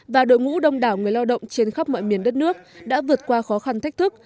và đội ngũ đông đảo người lao động trên khắp mọi miền đất nước đã vượt qua khó khăn thách thức